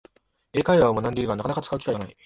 英会話を学んでいるが、なかなか使う機会がない